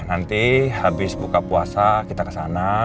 nanti habis buka puasa kita kesana